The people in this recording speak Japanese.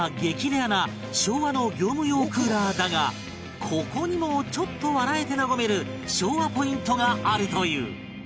レアな昭和の業務用クーラーだがここにもちょっと笑えて和める笑和ポイントがあるという